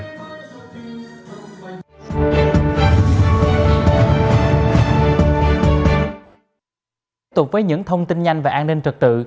tiếp tục với những thông tin nhanh và an ninh trật tự